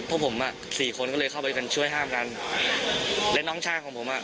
พวกผมอ่ะสี่คนก็เลยเข้าไปกันช่วยห้ามกันและน้องชายของผมอ่ะ